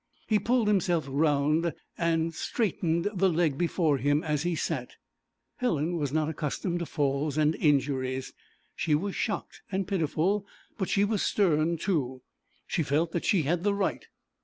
He pulled himself round, and straightened the leg before him as he sat. Helen was not accustomed to falls and injuries; she was shocked and pitiful, but she was stern too; she felt that she had the right.